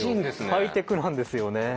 ハイテクなんですよね。